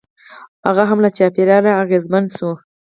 هغه هم له چاپېریال اغېزمن شوی.